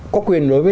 có quyền đối với